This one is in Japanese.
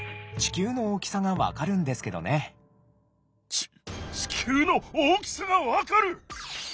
ち地球の大きさが分かる！